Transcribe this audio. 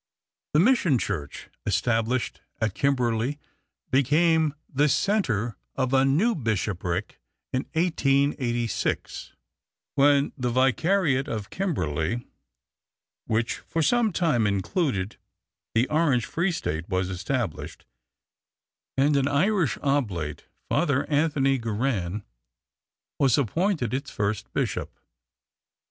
The mission church established at Kimberley became the centre of a new bishopric in 1886, when the Vicariate of Kimberley, which for some time included the Orange Free State, was established, and an Irish Oblate, Father Anthony Gaughran, was appointed its first bishop.